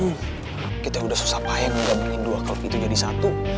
dan gua gak mau kita udah susah payang ngegabungin dua klub itu jadi satu